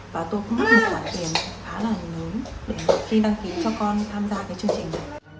và tôi cũng mất một khoản tiền khá là lớn khi đăng ký cho con tham gia cái chương trình